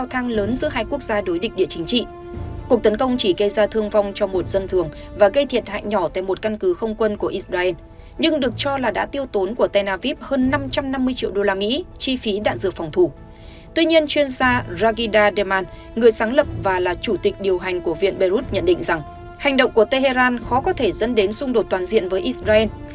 hành động của tehran khó có thể dẫn đến xung đột toàn diện với israel